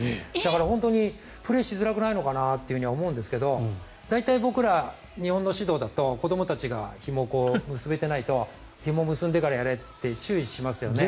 本当にプレーしづらくないのかなと思うんですが大体僕ら、日本の指導だと子どもたちがひもを結べていないとひもを結んでからやれって注意しますよね。